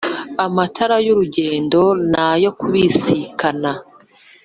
Amatara y’urugendo nayo kubisikana